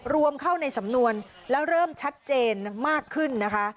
รวมเข้าในสำนวนแล้วเริ่มชัดเจนมากขึ้นนะคะ